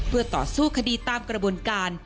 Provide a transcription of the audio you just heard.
เพื่อต่อสู้คดีตามกระบวนการ